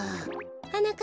はなかっ